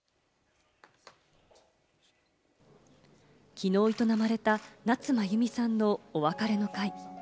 きのう営まれた夏まゆみさんのお別れの会。